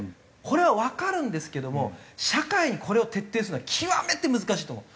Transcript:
これはわかるんですけども社会にこれを徹底するのは極めて難しいと思う。